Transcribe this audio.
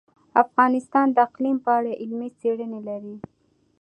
افغانستان د اقلیم په اړه علمي څېړنې لري.